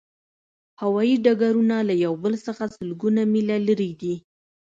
هوایی ډګرونه له یو بل څخه سلګونه میله لرې دي